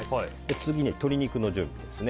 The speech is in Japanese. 次に鶏肉の準備ですね。